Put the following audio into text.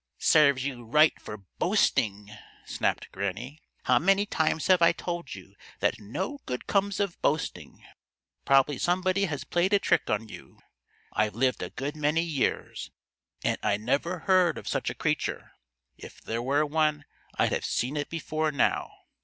"Serves you right for boasting!" snapped Granny. "How many times have I told you that no good comes of boasting? Probably somebody has played a trick on you. I've lived a good many years, and I never before heard of such a creature. If there were one, I'd have seen it before now.